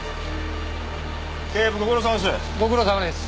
警部ご苦労さまです。